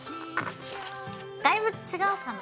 だいぶ違うかな。